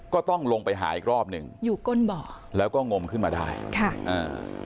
ก็ต้องลงไปหาอีกรอบหนึ่งอยู่ก้นเบาะแล้วก็งมขึ้นมาได้ค่ะอ่า